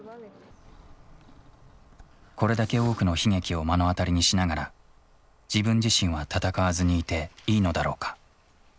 これだけ多くの悲劇を目の当たりにしながら自分自身は戦わずにいていいのだろうか。